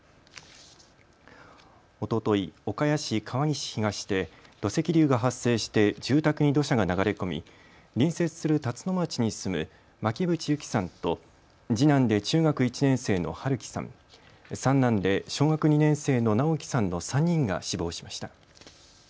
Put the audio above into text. おととい岡谷市川岸東で土石流が発生して住宅に土砂が流れ込み隣接する辰野町に住む巻渕友希さんと次男で中学１年生の春樹さん、三男で小学２年生の尚煌さんの３人が死亡しました。